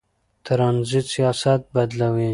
ترانزیت سیاست بدلوي.